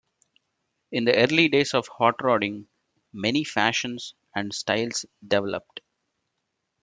In the early days of hot rodding, many fashions and styles developed.